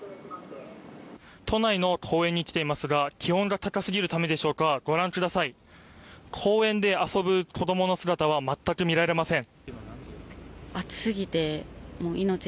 都内の公園に来ていますが、気温が高すぎるためでしょうか、ご覧ください、公園で遊ぶ子どもの姿は全く見られません。